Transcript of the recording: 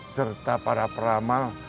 serta para peramal